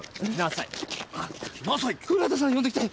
古畑さん呼んできて。